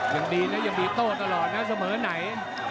ยังดีนะยังมีโต้ตลอดนะเสมอไหน